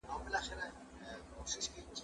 زه اجازه لرم چي لیکل وکړم!